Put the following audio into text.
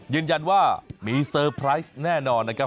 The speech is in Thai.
ยืนยันว่ามีเซอร์ไพรส์แน่นอนนะครับ